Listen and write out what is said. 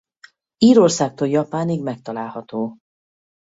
Írországtól Japánig megtalálható.